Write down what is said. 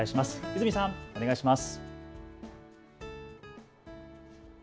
泉さん、お願いします。